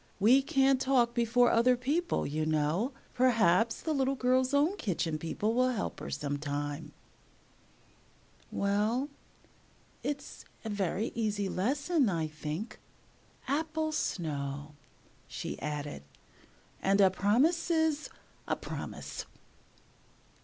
We can't talk before other people, you know. Perhaps the little girl's own Kitchen People will help her some time." [Illustration: "You can get along nicely"] "Well, it's a very easy lesson, I think. 'Apple Snow,' she added. And 'a promise 's a promise!'"